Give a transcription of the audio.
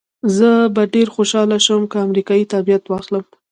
زه به ډېره خوشحاله شم که امریکایي تابعیت واخلم.